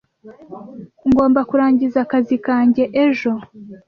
Ngomba kurangiza akazi kanjye ejo.